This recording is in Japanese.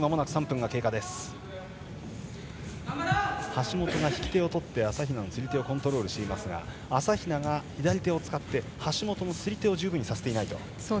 橋本が引き手を取って朝比奈の釣り手をコントロールしていますが朝比奈が左手を使って橋本の釣り手を十分にさせてない。